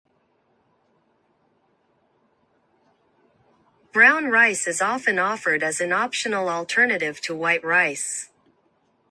Brown rice is often offered as an optional alternative to white rice.